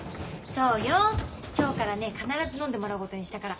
そうよ今日からね必ず飲んでもらうことにしたから。